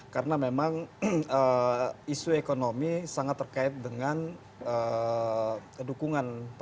karena memang isu ekonomi sangat terkait dengan dukungan